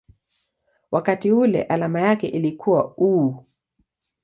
wakati ule alama yake ilikuwa µµ.